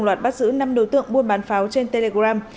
loạt bắt giữ năm đối tượng buôn bán pháo trên telegram